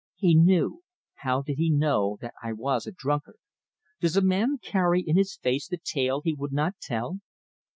"He knew how did he know that I was a drunkard? Does a man carry in his face the tale he would not tell?